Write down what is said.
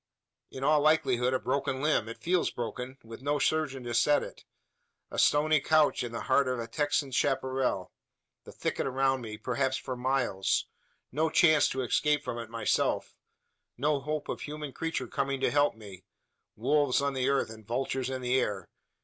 In all likelihood a broken limb it feels broken with no surgeon to set it; a stony couch in the heart of a Texan chapparal the thicket around me, perhaps for miles no chance to escape from it of myself no hope of human creature coming to help me wolves on the earth, and vultures in the air!